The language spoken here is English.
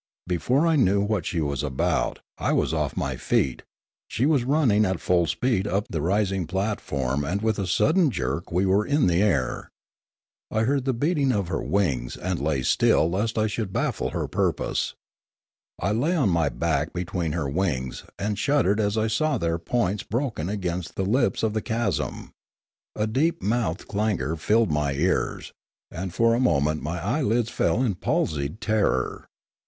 Before I knew what she was about, I was of! my feet ; she was running at full speed up the rising platform and with a sudden jerk we were in 1 56 Limanora the air. I heard the beating of her wings, and lay still lest I should baffle her purpose. I lay on my back be tween her wings, and shuddered as I saw their points broken against the lips of the chasm. A deep mouthed clangour filled my ears; and for a moment my eyelids fell in palsied terror.